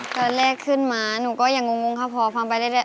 ขอแรกขึ้นมาหนูก็อย่างก์วิ้งค่ะ